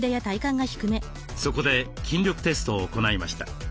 そこで筋力テストを行いました。